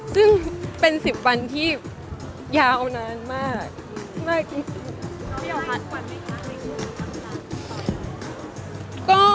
ซึ่งเป็นสิบวันที่ยาวนานมาก